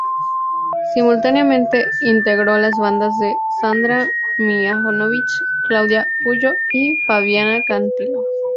Simultáneamente integró las bandas de Sandra Mihanovich, Claudia Puyó y Fabiana Cantilo.